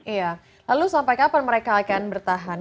iya lalu sampai kapan mereka akan bertahan